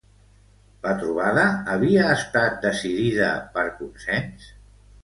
La trobada havia estat decidida per consens?